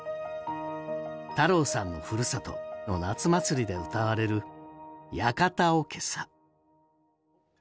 太朗さんのふるさとの夏祭りでうたわれる「館おけさ」